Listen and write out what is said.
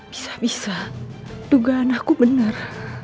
bisa bisa dugaan aku benar